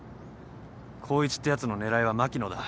光一ってやつの狙いは牧野だ。